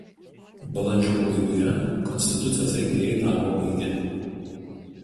Balandžio pabaigoje konstitucijos rengėjai darbą baigė.